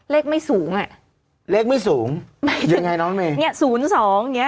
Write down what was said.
เลขไม่สูงอ่ะเลขไม่สูงยังไงน้องเมย์เนี้ยศูนย์สองอย่างเงี้